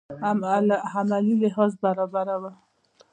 عملي لحاظ برابره وه.